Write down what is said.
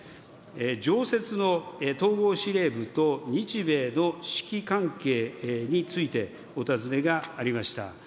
常設の統合司令部と日米の指揮関係について、お尋ねがありました。